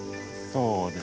そうですね。